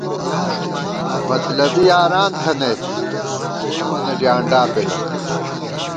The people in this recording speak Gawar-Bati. مطلبی یاران تھنَئیت ، سیوں وَنہ ڈیانڈا پېدہ